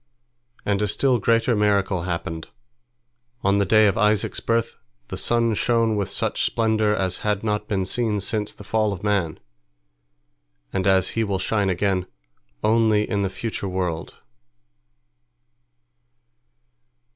And a still greater miracle happened: on the day of Isaac's birth the sun shone with such splendor as had not been seen since the fall of man, and as he will shine again only in the future world.